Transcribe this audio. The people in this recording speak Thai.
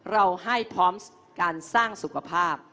เราให้พร้อมการสร้างสุขภาพ